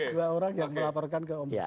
dua orang yang melaporkan ke om busman